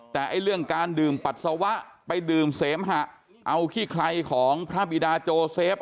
แต่เรื่องการดื่มปัสสาวะไปดื่มเสมหะเอาขี้ไครของพระบิดาโจเซฟ